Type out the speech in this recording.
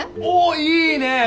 おっいいね。